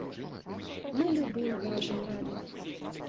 Мы любым грошам рады.